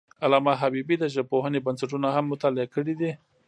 علامه حبیبي د ژبپوهنې بنسټونه هم مطالعه کړي دي.